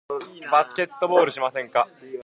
バスケットボールしませんか？